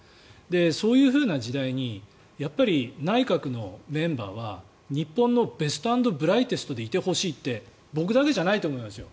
そういうふうな時代に内閣のメンバーは日本のベスト・アンド・ブライテストでいてほしいって僕だけじゃないと思いますよ。